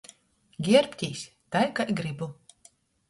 Gierbtīs tai, kai grybu.